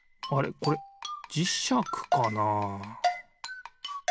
これじしゃくかな？